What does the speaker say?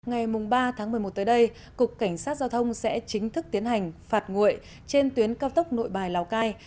ngày ba tháng một mươi một tới đây cục cảnh sát giao thông sẽ chính thức tiến hành phạt nguội trên tuyến cao tốc nội bài lào cai